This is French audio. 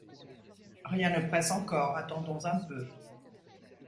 Rien ne presse encore, attendons un peu.